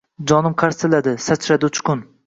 Jonim charsilladi, sachradi uchqun